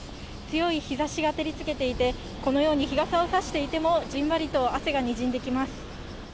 強い日ざしが照りつけていて、このように日傘を差していても、じんわりと汗がにじんできます。